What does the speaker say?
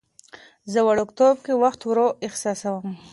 زه وړوکتوب کې وخت ورو احساسوم.